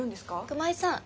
熊井さん